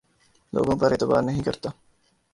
لوگوں پر اعتبار نہیں کرتا